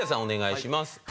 お願いします。